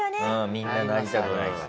みんななりたくないから。